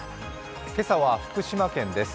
今朝は福島県です。